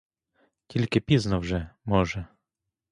Тільки пізно вже, може?